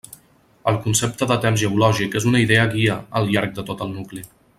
El concepte de temps geològic és una idea guia al llarg de tot el nucli.